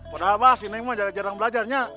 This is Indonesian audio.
padahal pak si neng mah jarang jarang belajarnya